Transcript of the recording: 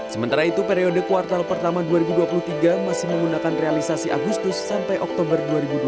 sementara itu periode kuartal pertama dua ribu dua puluh tiga masih menggunakan realisasi agustus sampai oktober dua ribu dua puluh